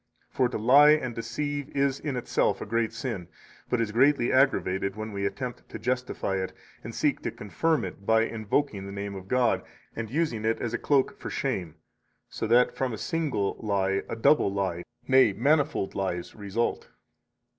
For to lie and deceive is in itself a great sin, but is greatly aggravated when we attempt to justify it, and seek to confirm it by invoking the name of God and using it as a cloak for shame, so that from a single lie a double lie, nay, manifold lies, result.